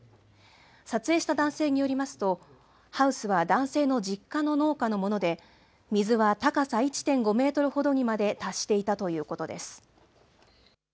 撮影した男性によりますと、ハウスは男性の実家の農家のもので、水は高さ１．５メートルほどにまで達していたということです。